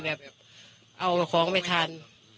เอาของไม่ทัน